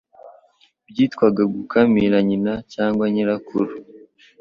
byitwaga gukamira nyina cyangwa nyirakuru